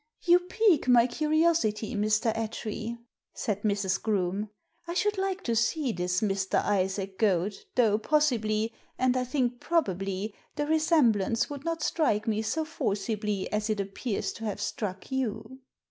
You pique my curiosity, Mr. Attree," said Mrs. Groome. " I should like to see this Mr. Isaac Goad, though possibly, and I think probably, the resem blance would not strike me so forcibly as it appears to have struck you."